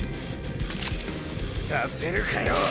させるかよ